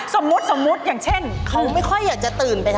สมมุติจากผัวนอนอยู่บ้านไม่ตื่นเลย